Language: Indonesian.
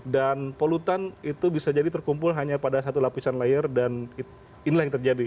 dan polutan itu bisa jadi terkumpul hanya pada satu lapisan layer dan inilah yang terjadi